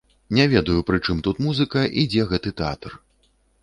Не ведаю, пры чым тут музыка і дзе гэты тэатр.